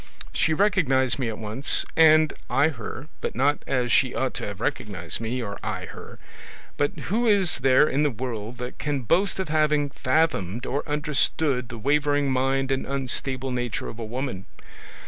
She recognised me at once, and I her, but not as she ought to have recognised me, or I her. But who is there in the world that can boast of having fathomed or understood the wavering mind and unstable nature of a woman?